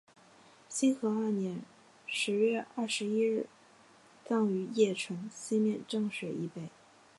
兴和二年十月廿一日葬于邺城西面漳水以北。